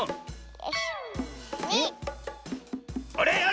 あれ？